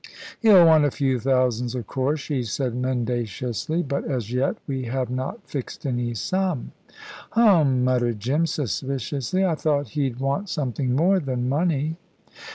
"He'll want a few thousands, of course," she said mendaciously; "but, as yet, we have not fixed any sum." "Hum," muttered Jim, suspiciously. "I thought he'd want something more than money."